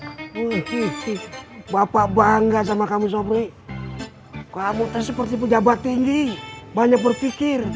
wihihi bapak bangga sama kamu sobri kamu tuh seperti pejabat tinggi banyak berpikir